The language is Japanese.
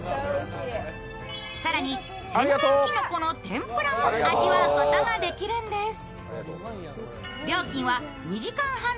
更に天然きのこの天ぷらも味わうことができるんです。